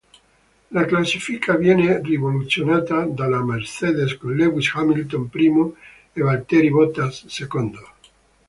La classifica viene rivoluzionata dalle Mercedes, con Lewis Hamilton primo e Valtteri Bottas secondo.